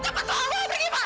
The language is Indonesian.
cepat tolong mau pergi pak